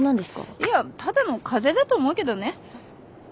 いやただの風邪だと思うけどね。